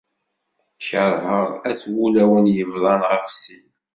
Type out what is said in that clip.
Kerheɣ at wulawen yebḍan ɣef sin.